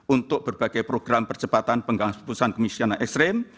untuk berbagai program percepatan penggalangan keputusan kemiskinan ekstrim